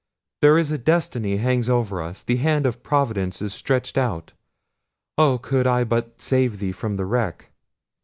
There is a destiny hangs over us; the hand of Providence is stretched out; oh! could I but save thee from the wreck!